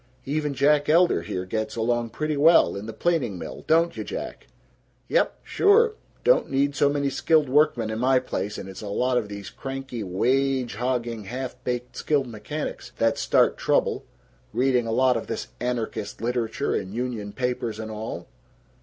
Even Jack Elder here gets along pretty well, in the planing mill, don't you, Jack?" "Yep. Sure. Don't need so many skilled workmen in my place, and it's a lot of these cranky, wage hogging, half baked skilled mechanics that start trouble reading a lot of this anarchist literature and union papers and all."